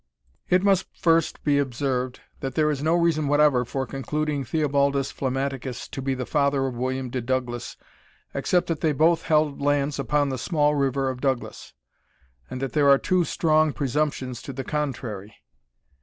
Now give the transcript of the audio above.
It must first be observed, that there is no reason whatever for concluding Theobaldus Flammaticus to be the father of William de Douglas, except that they both held lands upon the small river of Douglas; and that there are two strong presumptions to the contrary.